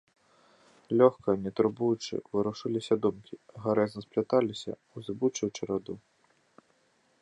Лёгка, не турбуючы, варушыліся думкі, гарэзна спляталіся ў зыбучую чараду.